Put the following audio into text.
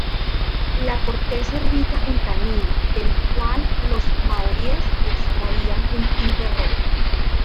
La corteza es rica en tanino, del cual los maoríes extraían un tinte rojo.